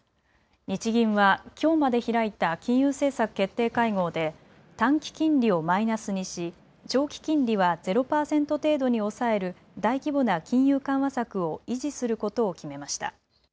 日銀はきょうまで開いた金融政策決定会合で短期金利をマイナスにし、長期金利はゼロ％程度に抑える大規模な金融緩和策を維持することを決めました。